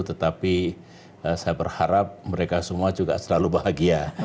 tetapi saya berharap mereka semua juga selalu bahagia